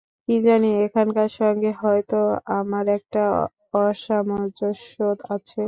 কী জানি, এখানকার সঙ্গে হয়তো আমার একটা অসামঞ্জস্য আছে।